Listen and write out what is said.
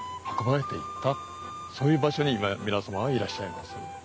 そういう場所に今皆様はいらっしゃいます。